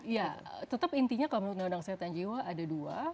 ya tetap intinya kalau menurut undang undang kesehatan jiwa ada dua